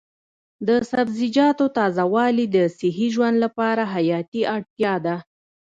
د سبزیجاتو تازه والي د صحي ژوند لپاره حیاتي اړتیا ده.